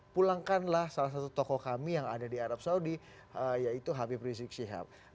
pulangkanlah salah satu tokoh kami yang ada di arab saudi yaitu habib rizik syihab